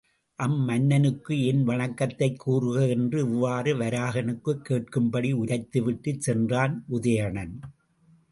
அம் மன்னனுக்கு என் வணக்கத்தைக் கூறுக என்று இவ்வாறு வராகனுக்குக் கேட்கும்படி உரைத்து விட்டுச் சென்றான் உதயணன்.